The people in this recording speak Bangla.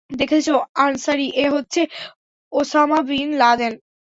দেখেছ আনসারী, এ হচ্ছে ওসামা বিন লাদেন।